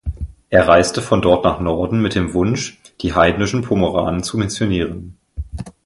Er reiste von dort nach Norden mit den Wunsch, die heidnischen Pomoranen zu missionieren.